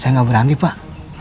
saya ga berani pak